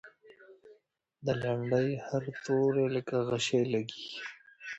د لنډۍ هر توری لکه غشی لګي.